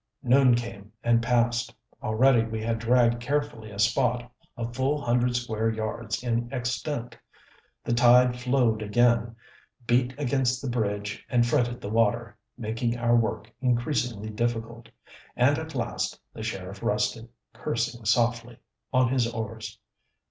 Noon came and passed already we had dragged carefully a spot a full hundred square yards in extent. The tide flowed again, beat against the Bridge and fretted the water, making our work increasingly difficult. And at last the sheriff rested, cursing softly, on his oars.